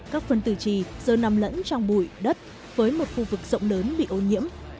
các phân tử trì giờ nằm lẫn trong bụi đất với một khu vực rộng lớn bị ô nhiễm